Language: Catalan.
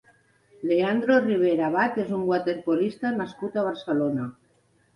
Leandro Ribera Abad és un waterpolista nascut a Barcelona.